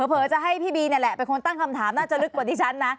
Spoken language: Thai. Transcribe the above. เผลจะให้พี่บีนี่แหละเป็นคนตั้งคำถามน่าจะลึกกว่าที่ฉันนะ